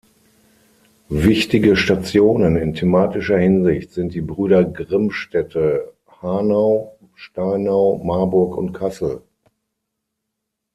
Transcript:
Wichtige Stationen in thematischer Hinsicht sind die Brüder-Grimm-Städte Hanau, Steinau, Marburg und Kassel.